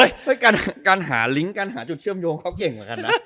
เอ้ยควรไอ้การหาลิงค์การหาจุดเชื่อมโยงเขาเก่ง๖๕๐๐๐๑๐๐๒